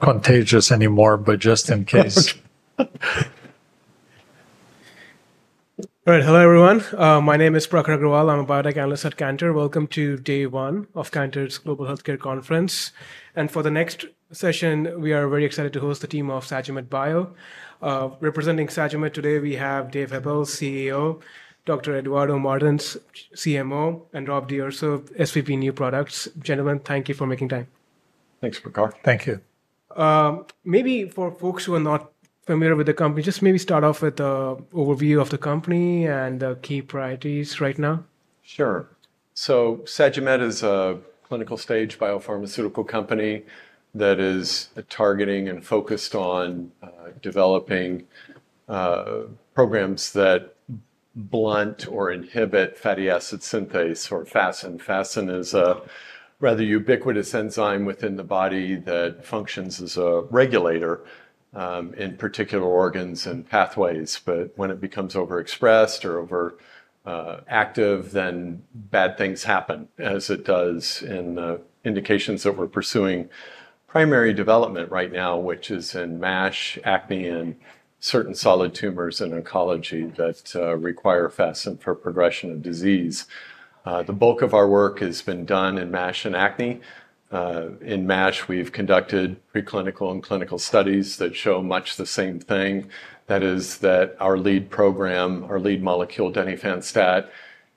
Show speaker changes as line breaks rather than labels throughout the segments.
Contagious anymore, but just in case.
All right, hello everyone. My name is Prakhar Agrawal. I'm a biotech analyst at Cantor. Welcome to day one of Cantor's Global Healthcare Conference, and for the next session, we are very excited to host the team of Sagimet Bio. Representing Sagimet today, we have Dave Happel, CEO, Dr. Eduardo Martins, CMO, and Rob D'Urso, SVP New Products. Gentlemen, thank you for making time.
Thanks, Prakhar. Thank you.
Maybe for folks who are not familiar with the company, just maybe start off with an overview of the company and the key priorities right now.
Sure. So Sagimet is a clinical stage biopharmaceutical company that is targeting and focused on developing programs that blunt or inhibit fatty acid synthase or FASN. FASN is a rather ubiquitous enzyme within the body that functions as a regulator in particular organs and pathways. But when it becomes overexpressed or overactive, then bad things happen, as it does in the indications that we're pursuing primary development right now, which is in MASH, acne, and certain solid tumors in oncology that require FASN for progression of disease. The bulk of our work has been done in MASH and acne. In MASH, we've conducted preclinical and clinical studies that show much the same thing. That is that our lead program, our lead molecule, denifanstat,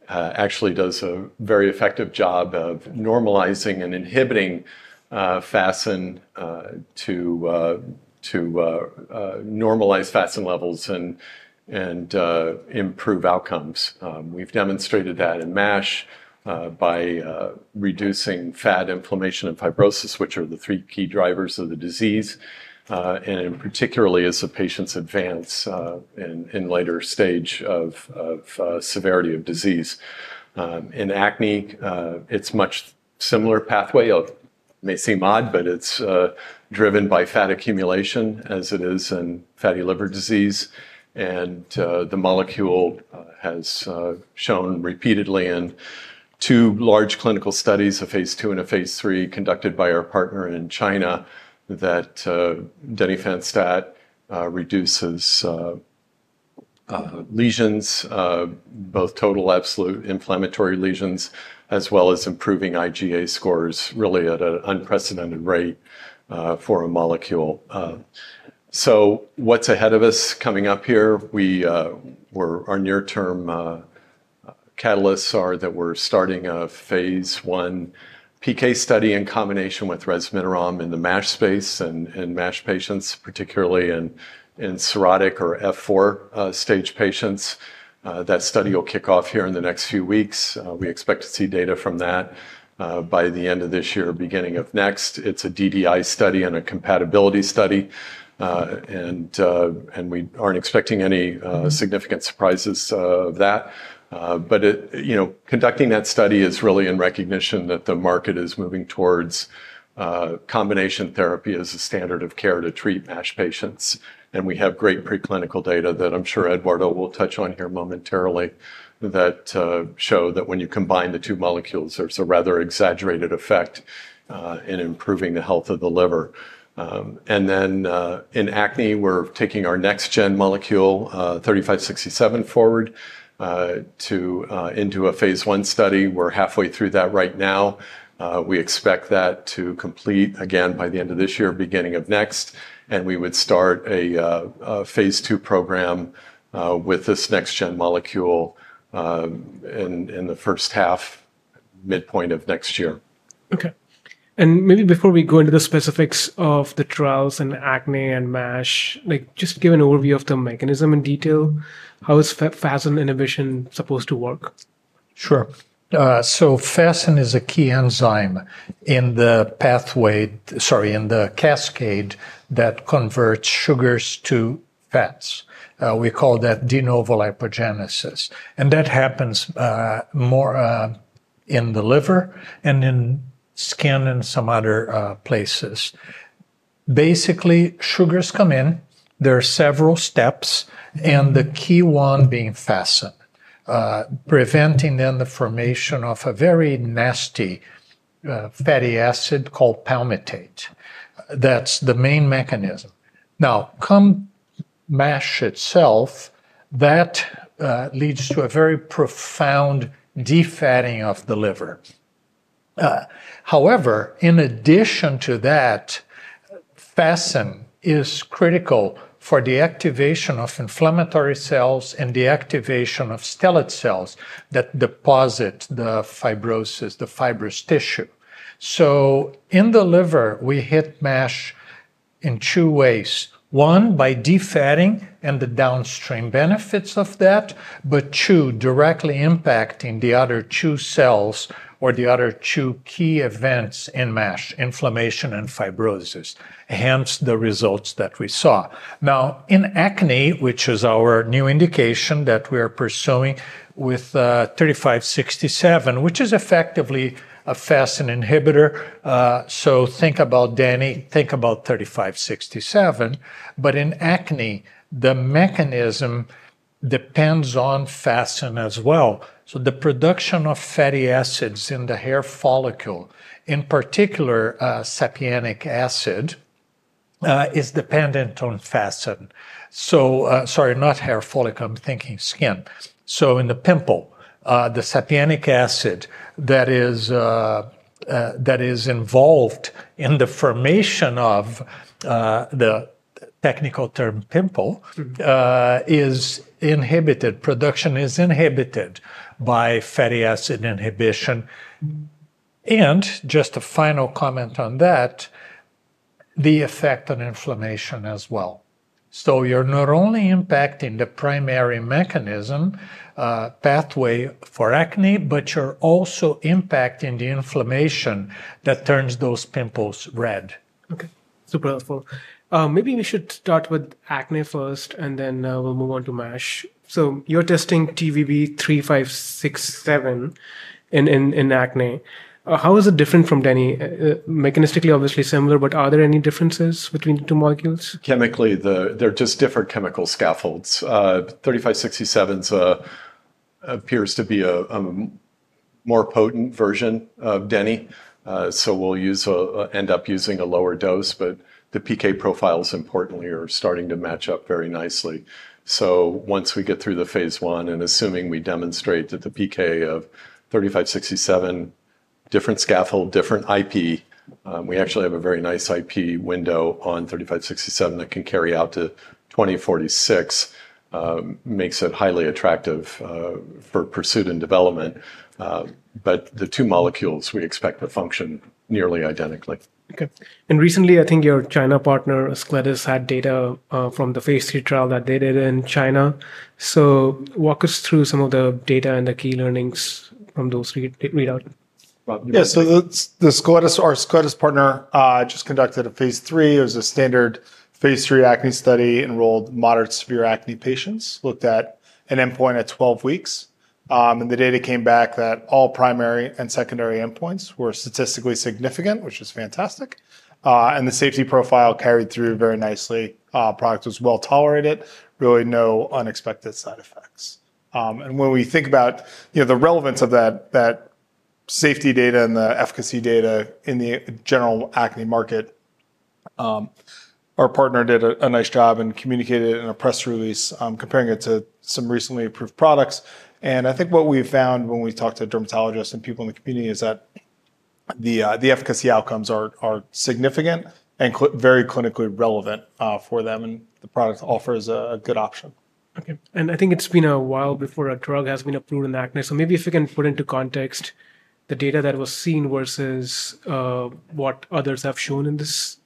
actually does a very effective job of normalizing and inhibiting FASN to normalize FASN levels and improve outcomes. We've demonstrated that in MASH by reducing fat, inflammation, and fibrosis, which are the three key drivers of the disease, and particularly as the patients advance in later stage of severity of disease. In acne, it's a much similar pathway. It may seem odd, but it's driven by fat accumulation, as it is in fatty liver disease, and the molecule has shown repeatedly in two large clinical studies, a phase two and a phase three, conducted by our partner in China, that denifanstat reduces lesions, both total and absolute inflammatory lesions, as well as improving IGA scores really at an unprecedented rate for a molecule, so what's ahead of us coming up here? Our near-term catalysts are that we're starting a phase one PK study in combination with resmetirom in the MASH space and in MASH patients, particularly in cirrhotic or F4 stage patients. That study will kick off here in the next few weeks. We expect to see data from that by the end of this year, beginning of next. It's a DDI study and a compatibility study. And we aren't expecting any significant surprises of that. But conducting that study is really in recognition that the market is moving towards combination therapy as a standard of care to treat MASH patients. And we have great preclinical data that I'm sure Eduardo will touch on here momentarily that show that when you combine the two molecules, there's a rather exaggerated effect in improving the health of the liver. And then in acne, we're taking our next-gen molecule, 3567, forward into a phase one study. We're halfway through that right now. We expect that to complete again by the end of this year, beginning of next. We would start a phase 2 program with this next-gen molecule in the first half, midpoint of next year.
Okay, and maybe before we go into the specifics of the trials in acne and MASH, just give an overview of the mechanism in detail. How is FASN inhibition supposed to work?
Sure, so FASN is a key enzyme in the pathway, sorry, in the cascade that converts sugars to fats. We call that de novo lipogenesis, and that happens more in the liver and in skin and some other places. Basically, sugars come in. There are several steps, and the key one being FASN, preventing then the formation of a very nasty fatty acid called palmitate. That's the main mechanism. Now, for MASH itself, that leads to a very profound defatting of the liver. However, in addition to that, FASN is critical for the activation of inflammatory cells and the activation of stellate cells that deposit the fibrosis, the fibrous tissue, so in the liver, we hit MASH in two ways. One, by defatting and the downstream benefits of that, but two, directly impacting the other two cells or the other two key events in MASH, inflammation and fibrosis, hence the results that we saw. Now, in acne, which is our new indication that we are pursuing with 3567, which is effectively a FASN inhibitor, so think about 3567. But in acne, the mechanism depends on FASN as well. So the production of fatty acids in the hair follicle, in particular sapienic acid, is dependent on FASN. So sorry, not hair follicle, I'm thinking skin. So in the pimple, the sapienic acid that is involved in the formation of the technical term pimple is inhibited, production is inhibited by fatty acid inhibition. And just a final comment on that, the effect on inflammation as well. So you're not only impacting the primary mechanism pathway for acne, but you're also impacting the inflammation that turns those pimples red.
Okay. Super helpful. Maybe we should start with acne first, and then we'll move on to MASH. So you're testing TVB-3567 in acne. How is it different from denifanstat? Mechanistically, obviously similar, but are there any differences between the two molecules?
Chemically, they're just different chemical scaffolds. TVB-3567 appears to be a more potent version of denifanstat. So we'll end up using a lower dose, but the PK profiles importantly are starting to match up very nicely. So once we get through the phase one, and assuming we demonstrate that the PK of TVB-3567, different scaffold, different IP, we actually have a very nice IP window on TVB-3567 that can carry out to 2046, makes it highly attractive for pursuit and development. But the two molecules, we expect to function nearly identically.
Okay. And recently, I think your China partner, Ascletis, had data from the phase three trial that they did in China. So walk us through some of the data and the key learnings from those readouts.
Yeah. So our Ascletis partner just conducted a phase 3. It was a standard phase 3 acne study enrolled moderate to severe acne patients, looked at an endpoint at 12 weeks. And the data came back that all primary and secondary endpoints were statistically significant, which is fantastic. And the safety profile carried through very nicely. Product was well tolerated, really no unexpected side effects. And when we think about the relevance of that safety data and the efficacy data in the general acne market, our partner did a nice job and communicated in a press release comparing it to some recently approved products. And I think what we've found when we talk to dermatologists and people in the community is that the efficacy outcomes are significant and very clinically relevant for them, and the product offers a good option.
Okay. And I think it's been a while before a drug has been approved in acne. So maybe if you can put into context the data that was seen versus what others have shown in this.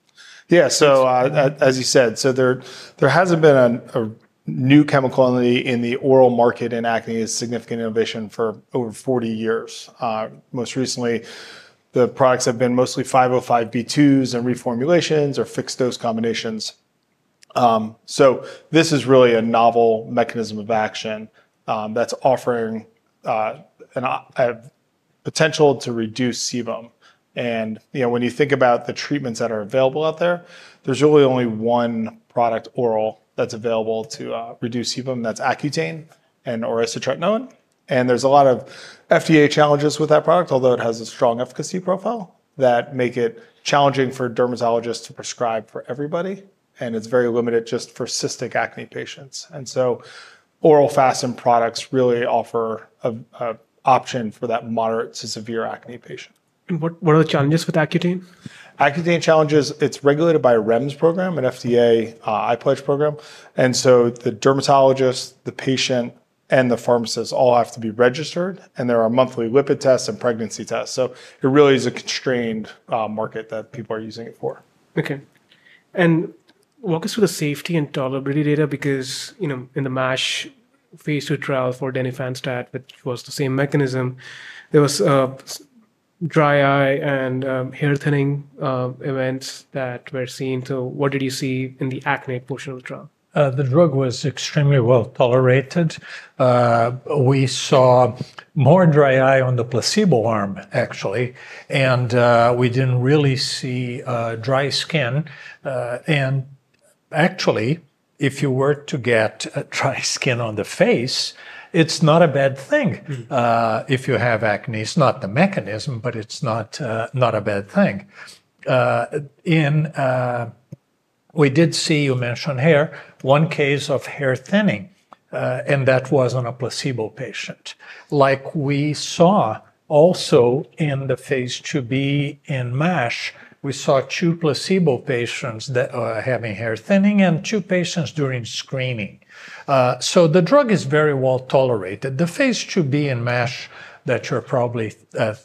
Yeah. So as you said, so there hasn't been a new chemical in the oral market in acne as significant innovation for over 40 years. Most recently, the products have been mostly 505(b)(2)s and reformulations or fixed dose combinations. So this is really a novel mechanism of action that's offering a potential to reduce sebum. And when you think about the treatments that are available out there, there's really only one product oral that's available to reduce sebum, and that's Accutane and isotretinoin. And there's a lot of FDA challenges with that product, although it has a strong efficacy profile that makes it challenging for dermatologists to prescribe for everybody. And it's very limited just for cystic acne patients. And so oral FASN products really offer an option for that moderate to severe acne patient.
What are the challenges with Accutane?
Accutane challenges, it's regulated by a REMS program, an FDA iPLEDGE program, and so the dermatologist, the patient, and the pharmacist all have to be registered, and there are monthly lipid tests and pregnancy tests, so it really is a constrained market that people are using it for.
Okay. And walk us through the safety and tolerability data because in the MASH phase two trial for denifanstat, which was the same mechanism, there were dry eye and hair thinning events that were seen. So what did you see in the acne portion of the trial?
The drug was extremely well tolerated. We saw more dry eye on the placebo arm, actually. We didn't really see dry skin. Actually, if you were to get dry skin on the face, it's not a bad thing if you have acne. It's not the mechanism, but it's not a bad thing. We did see, you mentioned hair, one case of hair thinning, and that was on a placebo patient. Like we saw also in the phase 2B in MASH, we saw two placebo patients that were having hair thinning and two patients during screening. The drug is very well tolerated. The phase 2B in MASH that you're probably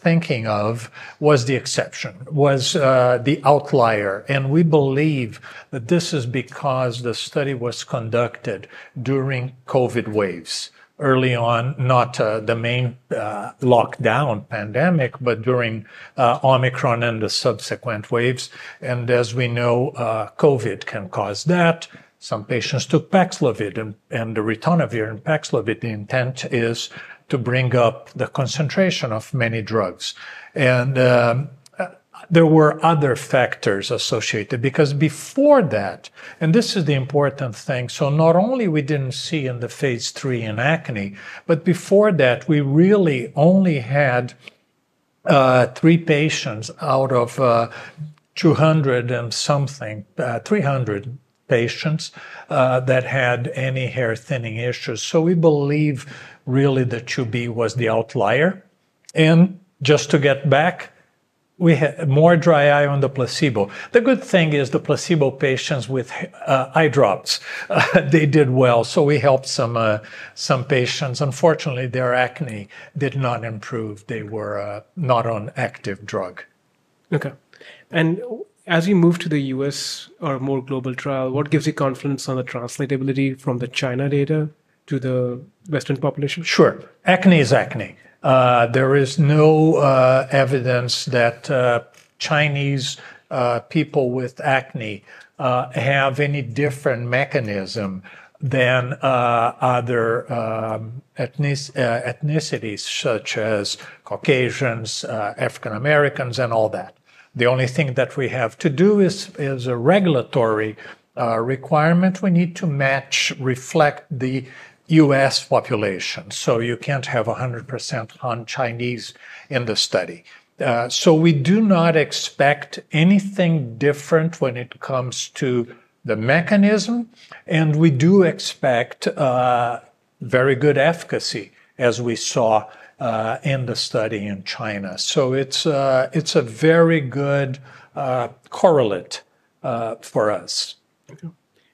thinking of was the exception, was the outlier. We believe that this is because the study was conducted during COVID waves, early on, not the main lockdown pandemic, but during Omicron and the subsequent waves. As we know, COVID can cause that. Some patients took Paxlovid and the ritonavir and Paxlovid. The intent is to bring up the concentration of many drugs. There were other factors associated because before that, and this is the important thing, so not only we didn't see in the phase three in acne, but before that, we really only had three patients out of 200 and something, 300 patients that had any hair thinning issues. We believe really that TVB was the outlier. Just to get back, we had more dry eye on the placebo. The good thing is the placebo patients with eye drops, they did well. We helped some patients. Unfortunately, their acne did not improve. They were not on active drug.
Okay, and as you move to the U.S. or more global trial, what gives you confidence on the translatability from the China data to the Western population?
Sure. Acne is acne. There is no evidence that Chinese people with acne have any different mechanism than other ethnicities such as Caucasians, African Americans, and all that. The only thing that we have to do is a regulatory requirement. We need to match, reflect the U.S. population. So you can't have 100% Han Chinese in the study. So we do not expect anything different when it comes to the mechanism. And we do expect very good efficacy as we saw in the study in China. So it's a very good correlate for us.
Okay.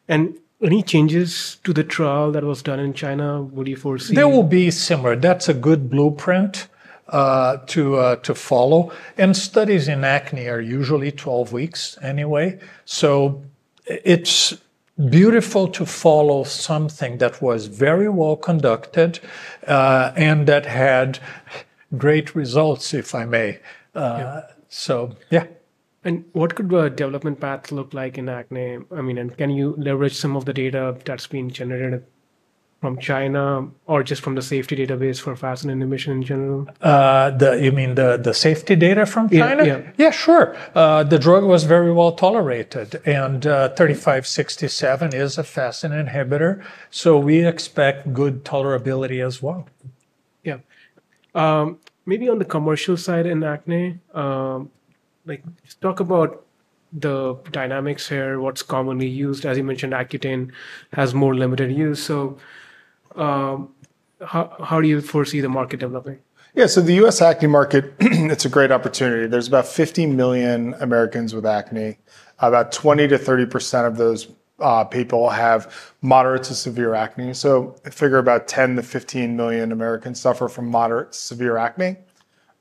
And any changes to the trial that was done in China, would you foresee?
There will be similar. That's a good blueprint to follow, and studies in acne are usually 12 weeks anyway, so it's beautiful to follow something that was very well conducted and that had great results, if I may, so yeah.
What could the development path look like in acne? I mean, and can you leverage some of the data that's been generated from China or just from the safety database for FASN inhibition in general?
You mean the safety data from China?
Yeah.
Yeah, sure. The drug was very well tolerated. And 3567 is a FASN inhibitor. So we expect good tolerability as well.
Yeah. Maybe on the commercial side in acne, just talk about the dynamics here, what's commonly used. As you mentioned, Accutane has more limited use. So how do you foresee the market developing?
Yeah. So the U.S. acne market, it's a great opportunity. There's about 50 million Americans with acne. About 20%-30% of those people have moderate to severe acne. So figure about 10-15 million Americans suffer from moderate to severe acne.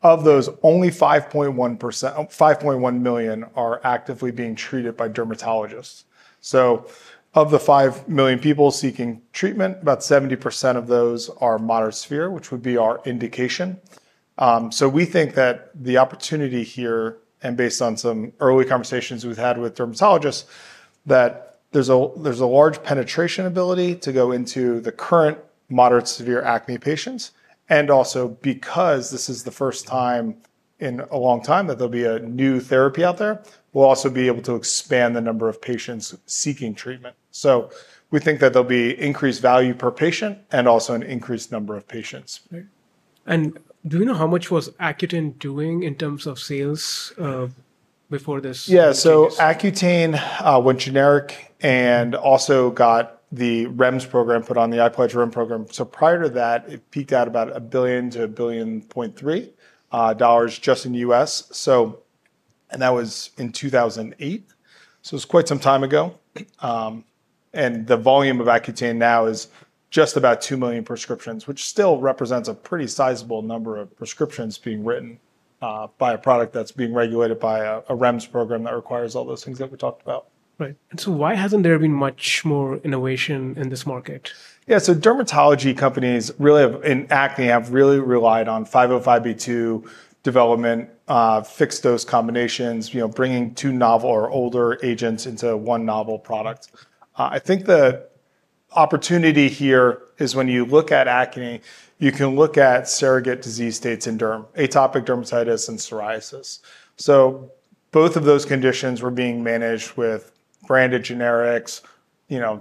Of those, only 5.1 million are actively being treated by dermatologists. So of the 5 million people seeking treatment, about 70% of those are moderate to severe, which would be our indication. So we think that the opportunity here, and based on some early conversations we've had with dermatologists, that there's a large penetration ability to go into the current moderate to severe acne patients. And also because this is the first time in a long time that there'll be a new therapy out there, we'll also be able to expand the number of patients seeking treatment. We think that there'll be increased value per patient and also an increased number of patients.
Do we know how much was Accutane doing in terms of sales before this?
Yeah. So Accutane went generic and also got the REMS program put on the iPLEDGE REMS program. So prior to that, it peaked out about $1 billion-$1.3 billion just in the U.S. And that was in 2008. So it was quite some time ago. And the volume of Accutane now is just about 2 million prescriptions, which still represents a pretty sizable number of prescriptions being written by a product that's being regulated by a REMS program that requires all those things that we talked about.
Right, and so why hasn't there been much more innovation in this market?
Yeah. So dermatology companies really in acne have really relied on 505(b)(2) development, fixed dose combinations, bringing two novel or older agents into one novel product. I think the opportunity here is when you look at acne, you can look at surrogate disease states in derm, atopic dermatitis and psoriasis. So both of those conditions were being managed with branded generics,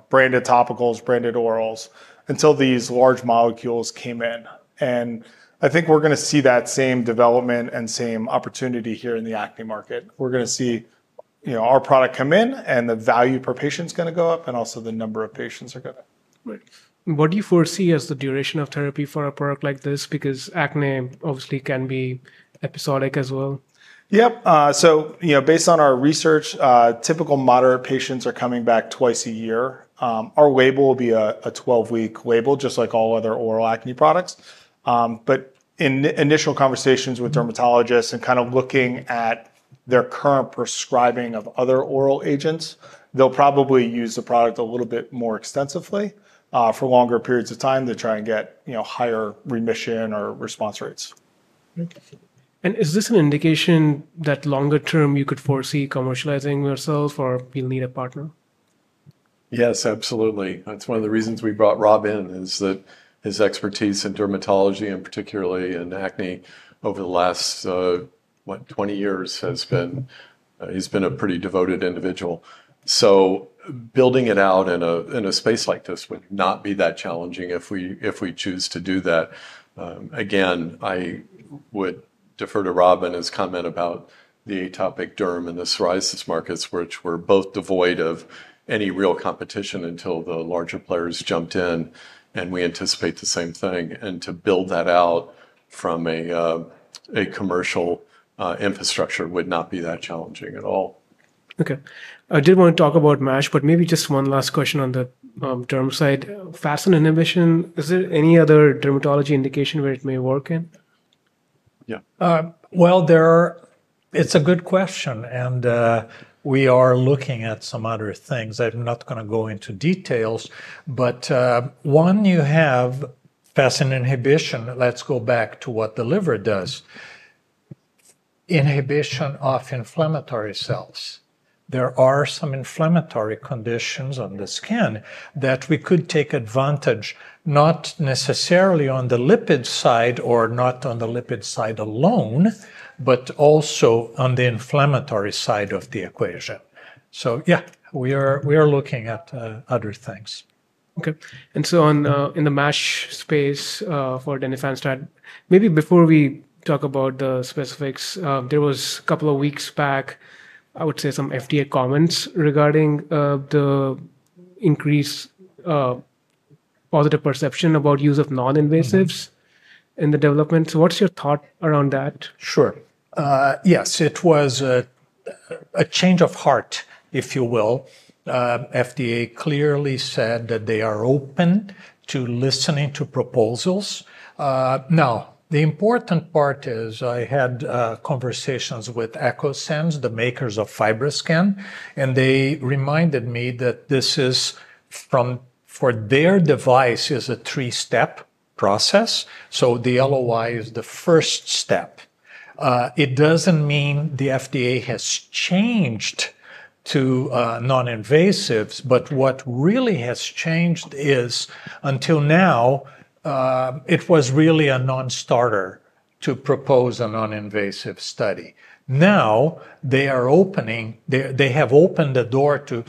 branded topicals, branded orals until these large molecules came in. And I think we're going to see that same development and same opportunity here in the acne market. We're going to see our product come in and the value per patient is going to go up and also the number of patients are going to.
Right. And what do you foresee as the duration of therapy for a product like this? Because acne obviously can be episodic as well.
Yep. So based on our research, typical moderate patients are coming back twice a year. Our label will be a 12-week label, just like all other oral acne products. But in initial conversations with dermatologists and kind of looking at their current prescribing of other oral agents, they'll probably use the product a little bit more extensively for longer periods of time to try and get higher remission or response rates.
Okay. And is this an indication that longer term you could foresee commercializing yourself or you'll need a partner?
Yes, absolutely. That's one of the reasons we brought Rob in is that his expertise in dermatology and particularly in acne over the last, what, 20 years has been, he's been a pretty devoted individual. So building it out in a space like this would not be that challenging if we choose to do that. Again, I would defer to Rob in his comment about the atopic derm and the psoriasis markets, which were both devoid of any real competition until the larger players jumped in, and we anticipate the same thing and to build that out from a commercial infrastructure would not be that challenging at all.
Okay. I did want to talk about MASH, but maybe just one last question on the derm side. FASN inhibition, is there any other dermatology indication where it may work in?
Yeah. It's a good question. We are looking at some other things. I'm not going to go into details. One, you have FASN inhibition. Let's go back to what the liver does. Inhibition of inflammatory cells. There are some inflammatory conditions on the skin that we could take advantage, not necessarily on the lipid side or not on the lipid side alone, but also on the inflammatory side of the equation. Yeah, we are looking at other things.
Okay, and so in the MASH space for denifanstat, maybe before we talk about the specifics, there was a couple of weeks back, I would say some FDA comments regarding the increased positive perception about use of non-invasives in the development, so what's your thought around that?
Sure. Yes. It was a change of heart, if you will. FDA clearly said that they are open to listening to proposals. Now, the important part is I had conversations with Echosens, the makers of FibroScan, and they reminded me that this is, for their device, a three-step process. So the LOI is the first step. It doesn't mean the FDA has changed to non-invasives, but what really has changed is until now, it was really a non-starter to propose a non-invasive study. Now they are opening, they have opened the door to,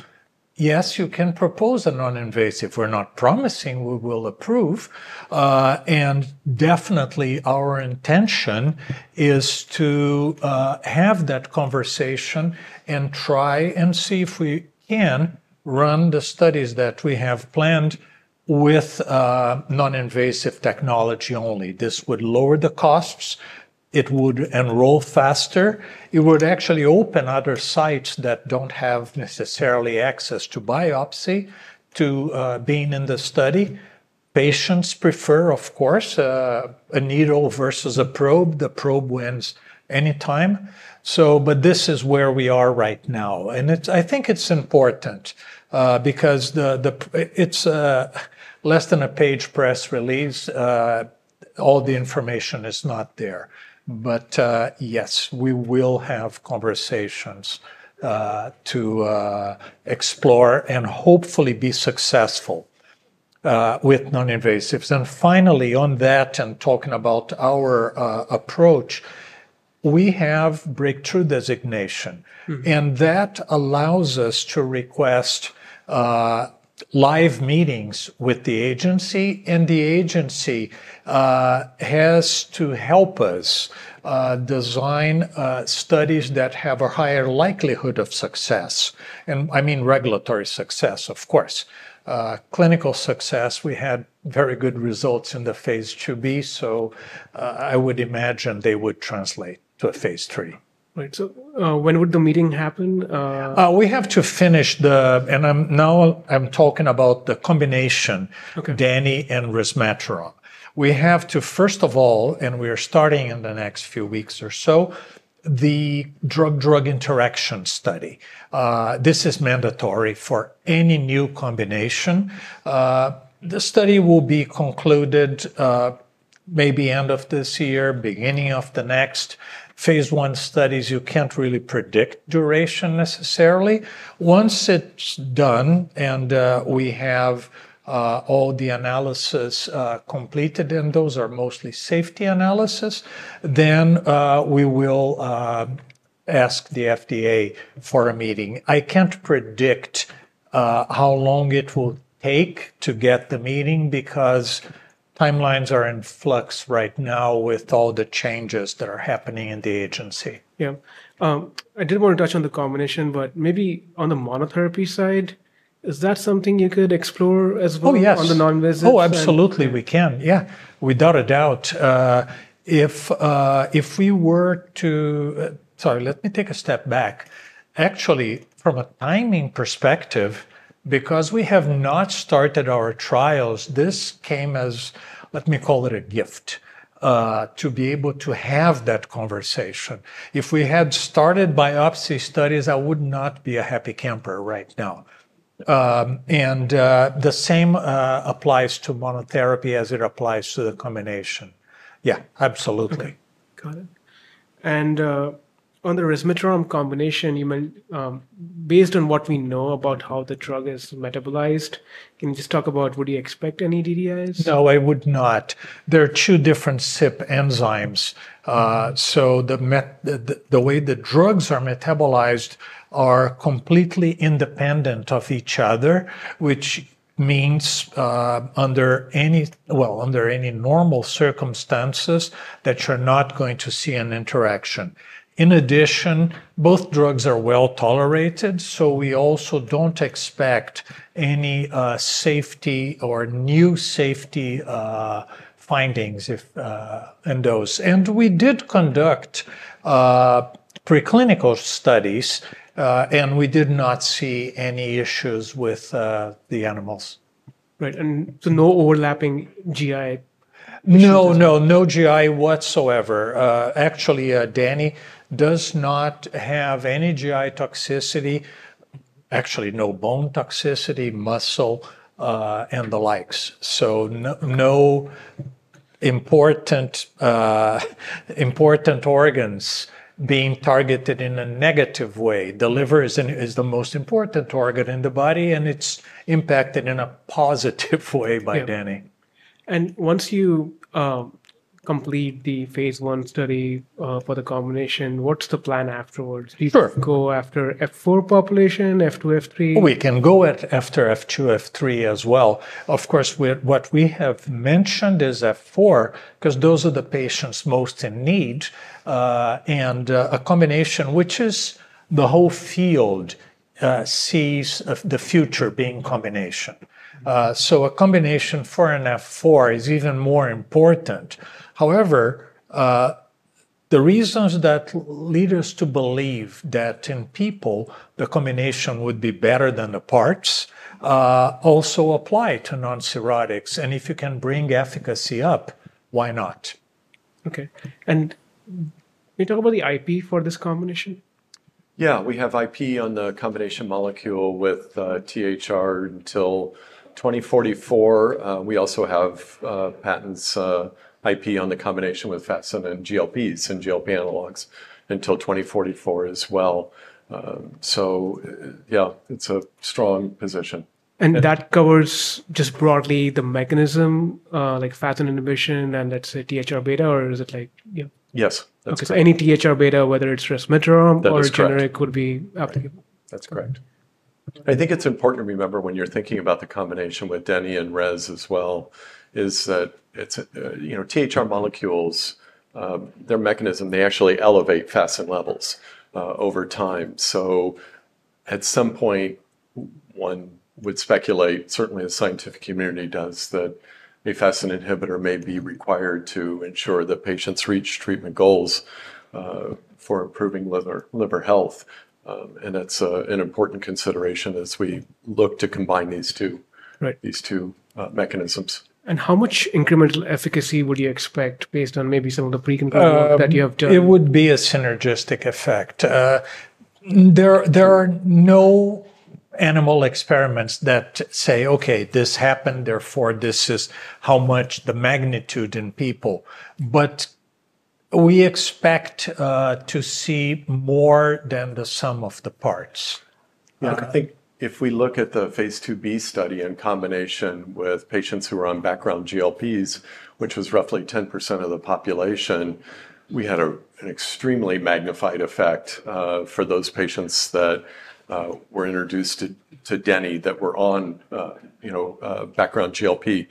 yes, you can propose a non-invasive. We're not promising we will approve. And definitely our intention is to have that conversation and try and see if we can run the studies that we have planned with non-invasive technology only. This would lower the costs. It would enroll faster. It would actually open other sites that don't have necessarily access to biopsy to being in the study. Patients prefer, of course, a needle versus a probe. The probe wins anytime. But this is where we are right now. And I think it's important because it's less than a page press release. All the information is not there. But yes, we will have conversations to explore and hopefully be successful with non-invasives. And finally on that and talking about our approach, we have breakthrough designation. And that allows us to request live meetings with the agency. And the agency has to help us design studies that have a higher likelihood of success. And I mean regulatory success, of course. Clinical success, we had very good results in the phase 2B. So I would imagine they would translate to a phase 3.
Right. So when would the meeting happen?
We have to finish the, and now I'm talking about the combination, denifanstat and resmetirom. We have to, first of all, and we are starting in the next few weeks or so, the drug-drug interaction study. This is mandatory for any new combination. The study will be concluded maybe end of this year, beginning of the next. Phase one studies, you can't really predict duration necessarily. Once it's done and we have all the analysis completed and those are mostly safety analysis, then we will ask the FDA for a meeting. I can't predict how long it will take to get the meeting because timelines are in flux right now with all the changes that are happening in the agency.
Yeah. I did want to touch on the combination, but maybe on the monotherapy side, is that something you could explore as well on the non-invasive side?
Oh, yes. Oh, absolutely. We can. Yeah. Without a doubt. If we were to, sorry, let me take a step back. Actually, from a timing perspective, because we have not started our trials, this came as, let me call it a gift to be able to have that conversation. If we had started biopsy studies, I would not be a happy camper right now, and the same applies to monotherapy as it applies to the combination. Yeah, absolutely.
Got it. And on the resmetirom combination, based on what we know about how the drug is metabolized, can you just talk about would you expect any DDIs?
No, I would not. There are two different CYP enzymes. So the way the drugs are metabolized are completely independent of each other, which means under any, well, under any normal circumstances that you're not going to see an interaction. In addition, both drugs are well tolerated. So we also don't expect any safety or new safety findings in those. And we did conduct preclinical studies and we did not see any issues with the animals.
Right. And so no overlapping GI issues?
No, no, no GI whatsoever. Actually, denifanstat does not have any GI toxicity, actually no bone toxicity, muscle, and the likes. So no important organs being targeted in a negative way. The liver is the most important organ in the body and it's impacted in a positive way by denifanstat.
Once you complete the phase 1 study for the combination, what's the plan afterwards? Do you just go after F4 population, F2, F3?
We can go after F2, F3 as well. Of course, what we have mentioned is F4 because those are the patients most in need. And a combination, which the whole field sees the future being combination. So a combination for an F4 is even more important. However, the reasons that lead us to believe that in people, the combination would be better than the parts also apply to non-cirrhotic. And if you can bring efficacy up, why not?
Okay, and can you talk about the IP for this combination?
Yeah. We have IP on the combination molecule with THR until 2044. We also have patents IP on the combination with FASN and GLPs and GLP analogs until 2044 as well. So yeah, it's a strong position.
That covers just broadly the mechanism like FASN inhibition and that's a THR beta or is it like?
Yes.
Okay. So any THR-β, whether it's resmetirom or generic, would be applicable?
That's correct. I think it's important to remember when you're thinking about the combination with denny and rez as well is that THR molecules, their mechanism, they actually elevate FASN levels over time. So at some point, one would speculate, certainly the scientific community does, that a FASN inhibitor may be required to ensure that patients reach treatment goals for improving liver health, and that's an important consideration as we look to combine these two mechanisms.
How much incremental efficacy would you expect based on maybe some of the preclinical work that you have done?
It would be a synergistic effect. There are no animal experiments that say, okay, this happened, therefore this is how much the magnitude in people. But we expect to see more than the sum of the parts. I think if we look at the phase 2B study in combination with patients who were on background GLPs, which was roughly 10% of the population, we had an extremely magnified effect for those patients that were introduced to denifanstat that were on background GLP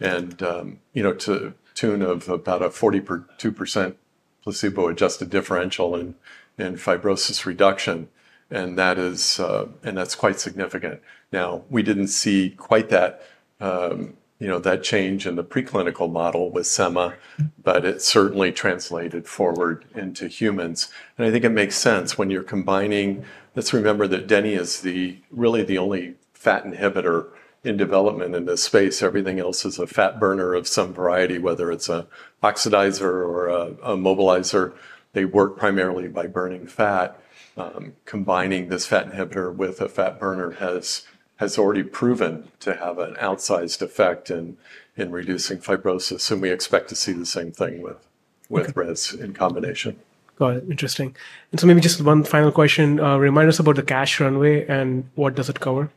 and to the tune of about a 42% placebo-adjusted differential in fibrosis reduction. And that's quite significant. Now, we didn't see quite that change in the preclinical model with sema, but it certainly translated forward into humans. And I think it makes sense when you're combining. Let's remember that denifanstat is really the only fat inhibitor in development in this space. Everything else is a fat burner of some variety, whether it's an oxidizer or a mobilizer. They work primarily by burning fat. Combining this fat inhibitor with a fat burner has already proven to have an outsized effect in reducing fibrosis. And we expect to see the same thing with resmetirom in combination.
Got it. Interesting. And so maybe just one final question. Remind us about the cash runway and what does it cover?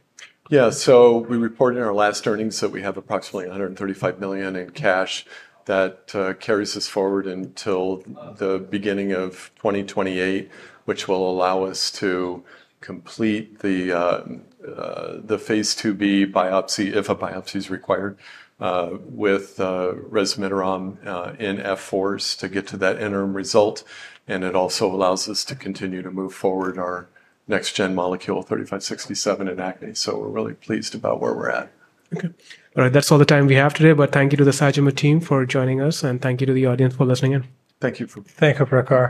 We reported our last earnings that we have approximately $135 million in cash that carries us forward until the beginning of 2028, which will allow us to complete the phase 2b biopsy if a biopsy is required with resmetirom in F4s to get to that interim result. And it also allows us to continue to move forward our next-gen molecule 3567 in acne. We're really pleased about where we're at.
Okay. All right. That's all the time we have today, but thank you to the Sagimet team for joining us and thank you to the audience for listening in.
Thank you for.
Thank you for your call.